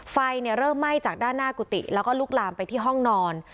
ไฟเริ่มไหม้จากด้านหน้ากุฏิแล้วก็ลุกลามไปที่ห้องนอน